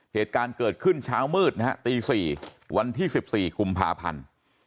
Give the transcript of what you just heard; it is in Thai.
เหตุการณ์เกิดขึ้นเช้ามืดนะฮะตี๔วันที่๑๔กุมภาพันธ์